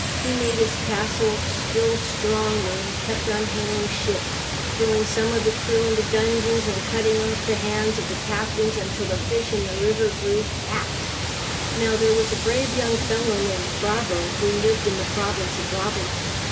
He made his castle still stronger and kept on hailing ships, throwing some of the crews into dungeons and cutting off the hands of the captains, until the fish in the river grew fat. Now there was a brave young fellow named Brabo, who lived in the province of Brabant.